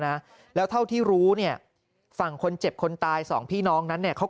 นะแล้วเท่าที่รู้เนี่ยฝั่งคนเจ็บคนตายสองพี่น้องนั้นเนี่ยเขา